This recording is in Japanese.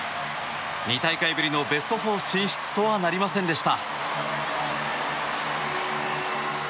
２大会ぶりのベスト４進出とはなりませんでした。